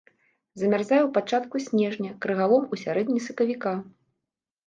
Замярзае ў пачатку снежня, крыгалом у сярэдзіне сакавіка.